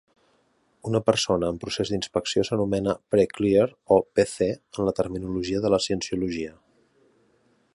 Una persona en procés d'inspecció s'anomena "pre-clear" o "pc" en la terminologia de la cienciologia.